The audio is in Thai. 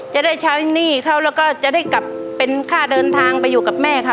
จะได้ใช้หนี้เขาแล้วก็จะได้กลับเป็นค่าเดินทางไปอยู่กับแม่ค่ะ